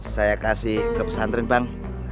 saya kasih ke pesantren bang